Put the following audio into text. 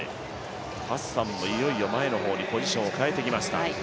ハッサンもいよいよ前の方にポジションを変えてきました。